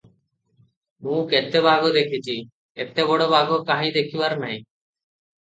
ମୁଁ କେତେ ବାଘ ଦେଖିଛି, ଏତେ ବଡ଼ ବାଘ କାହିଁ ଦେଖିବାର ନାହିଁ ।